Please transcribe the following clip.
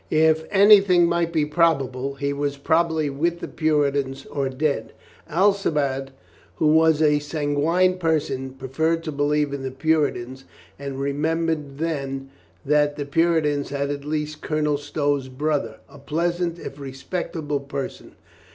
If anything might be prob able, he was probably with the Puritans or dead. Alcibiade, who was a sanguine person, preferred to believe in the Puritans, and remembered then that the Puritans had at least Colonel Stow's brother, a pleasant if respectable person.